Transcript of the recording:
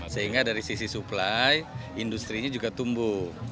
sehingga dari sisi supply industri nya juga tumbuh